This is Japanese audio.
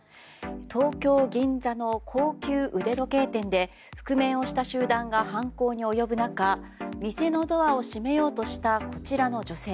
東京・銀座の高級腕時計店で覆面をした集団が犯行に及ぶ中店のドアを閉めようとしたこちらの女性。